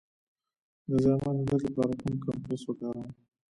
د زایمان د درد لپاره کوم کمپرس وکاروم؟